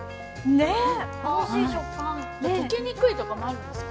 ねえ。溶けにくいとかもあるんですか？